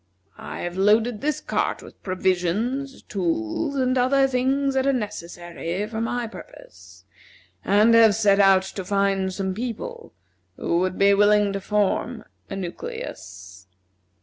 I have loaded this cart with provisions, tools, and other things that are necessary for my purpose, and have set out to find some people who would be willing to form a nucleus.